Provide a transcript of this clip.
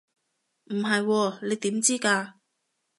唔係喎，你點知㗎？